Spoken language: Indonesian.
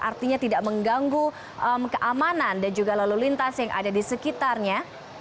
artinya tidak mengganggu keamanan dan juga lalu lintas yang ada di sekitarnya